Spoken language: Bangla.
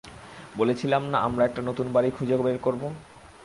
বলেছিলাম না আমরা একটা নতুন বাড়ি খুঁজে বের করবো।